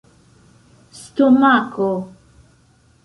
stomako